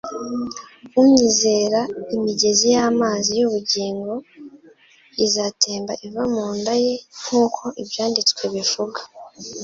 Unyizera imigezi y'amazi y'ubugingo izatemba iva mu nda ye nk'uko Ibyanditswe bivuga."